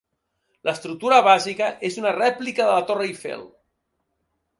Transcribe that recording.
L'estructura bàsica és una rèplica de la Torre Eiffel.